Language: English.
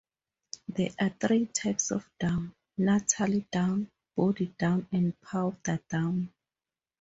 There are three types of down: natal down, body down and powder down.